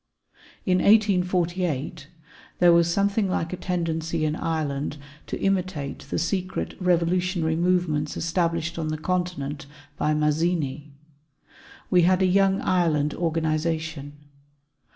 In 1848, there was something like a tendency in Ireland to imitate the secret revolutionary movements established on the Continent by Mazzini. We had a Young Ireland Organization.